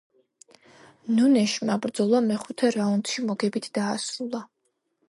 ნუნეშმა ბრძოლა მეხუთე რაუნდში მოგებით დაასრულა.